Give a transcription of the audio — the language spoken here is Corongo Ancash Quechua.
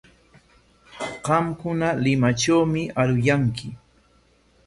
Qamkuna Limatrawmi aruyanki.